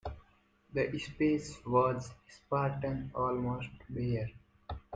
The space was spartan, almost bare.